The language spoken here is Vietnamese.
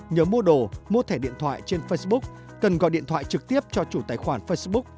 nhớ mua đồ mua thẻ điện thoại trên facebook cần gọi điện thoại trực tiếp cho chủ tài khoản facebook